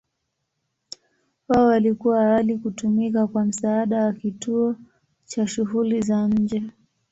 Wao walikuwa awali kutumika kwa msaada wa kituo cha shughuli za nje.